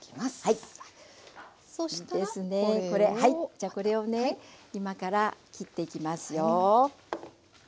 じゃこれをね今から切っていきますよ。